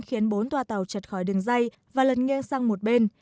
khiến bốn toa tàu chật khỏi đường dây và lật nghiêng sang một bên